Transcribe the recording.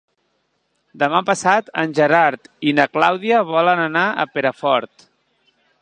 Demà passat en Gerard i na Clàudia volen anar a Perafort.